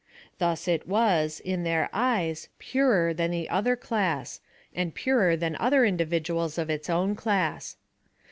Thus it was, in their eyes, purer than the other class, and purer than other individuals of its own class.